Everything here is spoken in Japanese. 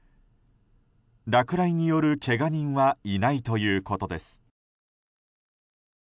落雷によるけが人はいないということです。